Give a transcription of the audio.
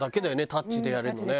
タッチでやれるのね。